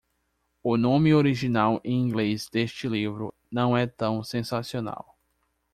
O nome original em inglês deste livro não é tão sensacional.